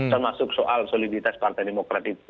termasuk soal soliditas partai demokrat itu